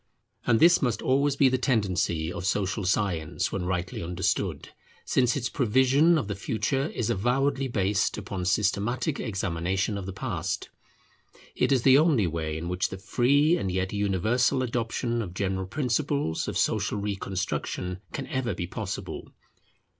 And this must always be the tendency of social science when rightly understood, since its prevision of the future is avowedly based upon systematic examination of the past. It is the only way in which the free and yet universal adoption of general principles of social reconstruction can ever be possible.